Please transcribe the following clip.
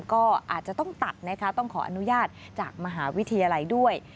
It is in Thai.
ก็อาจจะต้องตัดนะคะต้องขออนุญาตจากมหาวิทยาลัยด้วย